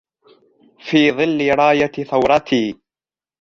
في ظل راية ثورتي